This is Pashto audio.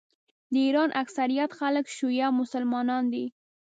د ایران اکثریت خلک شیعه مسلمانان دي.